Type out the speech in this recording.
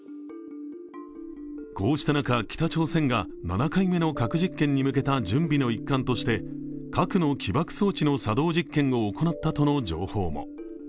こうした中、北朝鮮が７回目の核実験に向けた準備の一環として核の起爆装置の作動実験を行ったとの情報も。